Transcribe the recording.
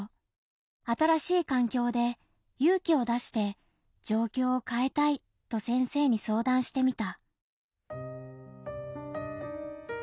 新しい環境で勇気を出して「状況を変えたい」と先生に相談してみた。